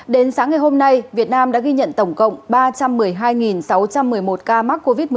đến sáng ngày hôm nay việt nam đã ghi nhận tổng cộng ba trăm một mươi hai sáu trăm một mươi một ca mắc covid một mươi chín